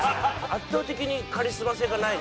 圧倒的にカリスマ性がない。